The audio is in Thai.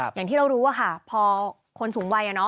อย่างที่เรารู้อะค่ะพอคนสูงวัย